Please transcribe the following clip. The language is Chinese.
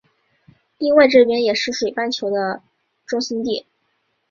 另外这边也是水半球的中心地。